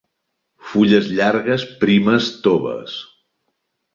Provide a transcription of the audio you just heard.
Fulles llargues, primes, toves.